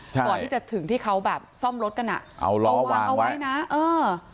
ก่อนที่จะถึงที่เขาแบบซ่อมรถกันอ่ะเอาเหรอเอาวางเอาไว้นะเออ